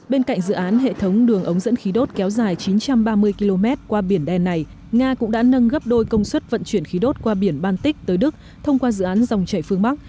bên cạnh dự án hệ thống đường ống dẫn khí đốt kéo dài chín trăm ba mươi km qua biển đen này nga cũng đã nâng gấp đôi công suất vận chuyển khí đốt qua biển baltic tới đức thông qua dự án dòng chảy phương bắc